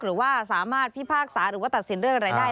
หรือว่าสามารถพิพากษาหรือว่าตัดสินเรื่องอะไรได้